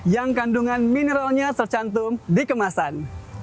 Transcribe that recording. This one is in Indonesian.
yang kandungan mineralnya tercantum di kemasan